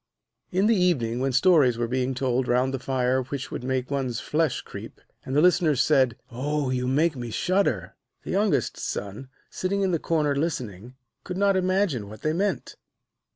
In the evening, when stories were being told round the fire which made one's flesh creep, and the listeners said: 'Oh, you make me shudder!' the youngest son, sitting in the corner listening, could not imagine what they meant.